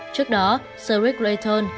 trước đó sir rick rayton